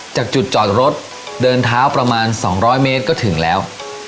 จากจุดจอดรถเดินเท้าประมาณ๒๐๐เมตรก็ถึงแล้ว